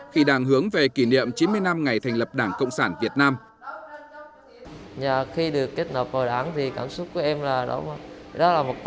khi đảng hướng về kỷ niệm chín mươi năm ngày thành lập đảng cộng sản việt nam